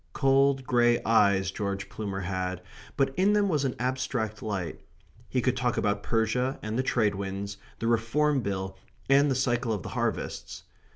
Cold grey eyes George Plumer had, but in them was an abstract light. He could talk about Persia and the Trade winds, the Reform Bill and the cycle of the harvests.